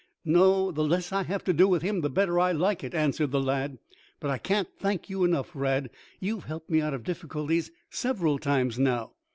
"No, the less I have to do with him the better I like it," answered the lad. "But I can't thank you enough, Rad. You have helped me out of difficulties several times now.